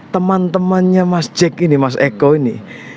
teman temannya mas jack ini mas eko ini